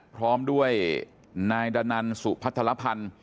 พร้อมด้วยนายดานัลสุพัฒนภัณฑ์